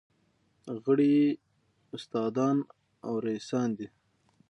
غړي یې استادان او رییسان دي.